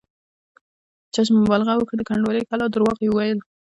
چا چې مبالغه وکړه د کنډوالې کلا درواغ یې وویل.